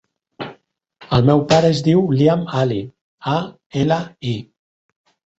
El meu pare es diu Liam Ali: a, ela, i.